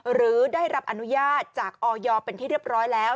หรือได้รับอนุญาตจากออยเป็นที่เรียบร้อยแล้ว